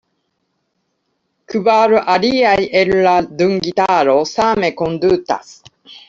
Kvar aliaj el la dungitaro same kondutas.